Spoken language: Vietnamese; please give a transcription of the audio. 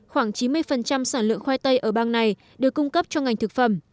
khoảng chín mươi sản lượng khoai tây ở bang này được cung cấp cho ngành thực phẩm